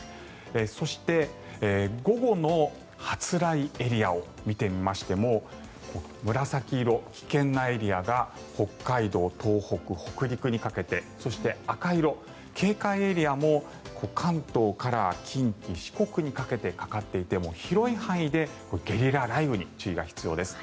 そして、午後の発雷エリアを見てみましても紫色、危険なエリアが北海道東北・北陸にかけてそして赤色、警戒エリアも関東から近畿、四国にかけてかかっていて、広い範囲でゲリラ雷雨に注意が必要です。